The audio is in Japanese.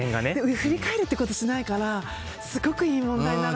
振り返るってことしないからすごくいい問題だなと。